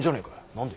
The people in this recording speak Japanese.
何で。